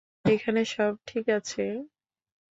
এখানে সব ঠিক আছে?